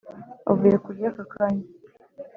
avuye kurya aka kanya